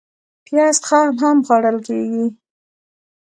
پیاز خام هم خوړل کېږي